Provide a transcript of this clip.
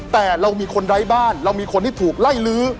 แต่เรามีคนไร้บ้านเรามีคนที่ถูกไล่ลื้อ